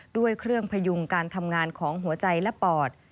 ด้วยเครื่องพยุงการทำงานของหัวใจและปอด